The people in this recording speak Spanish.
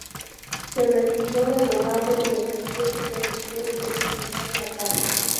Se recibió de abogado y ejerció su profesión en su ciudad natal.